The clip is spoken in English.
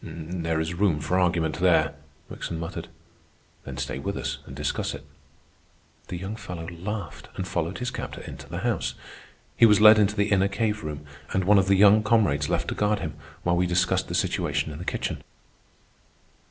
"There is room for argument there," Wickson muttered. "Then stay with us and discuss it." The young fellow laughed and followed his captor into the house. He was led into the inner cave room, and one of the young comrades left to guard him, while we discussed the situation in the kitchen.